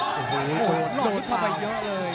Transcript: โหโดดเข้าไปเยอะเลย